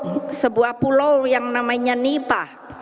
karena saya ngorok sebuah pulau yang namanya nipah